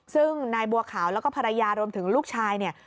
ซึ่งนายบัวขาวแล้วก็ภรรยารวมถึงลูกชายเนี่ย